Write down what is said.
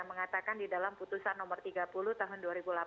mengatakan di dalam putusan nomor tiga puluh tahun dua ribu delapan belas